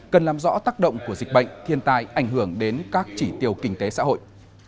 cần làm rõ tác động của dịch bệnh thiên tai ảnh hưởng đến các chỉ tiêu kinh tế xã hội